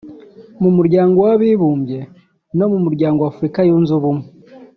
mu muryango w’Abibumbye no mu muryango wa Afurika Yunze Ubumwe